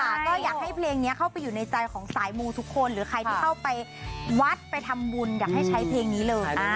ใช่ค่ะก็อยากให้เพลงเนี่ยเข้าไปอยู่ในใจของสายมูทุกคนหรือใครทีเข้าไปวัดไปทำบุญจะให้ใช้เทแล้ว